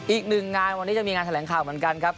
อีกหนึ่งงานวันนี้จะมีงานแถลงข่าวเหมือนกันครับ